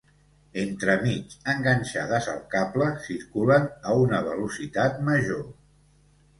Entremig, enganxades al cable, circulen a una velocitat major.